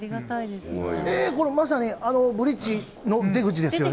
えー、これまさに、あのブリッジの出口ですよね。